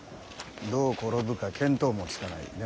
どう転ぶか見当もつかない。